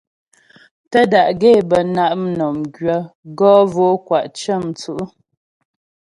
Tə́ da'gaə́ é bə na' mnɔm gwyə̌ gɔ mvo'o kwa' cə̀mwtsǔ'.